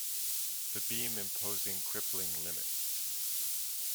The beam imposing crippling limits.